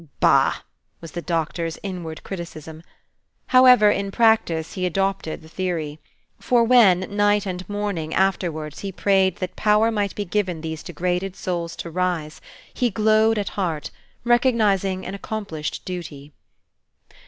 "Bah!" was the Doctor's inward criticism. However, in practice, he adopted the theory; for, when, night and morning, afterwards, he prayed that power might be given these degraded souls to rise, he glowed at heart, recognizing an accomplished duty.